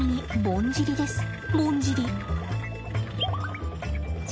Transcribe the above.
ぼんじり。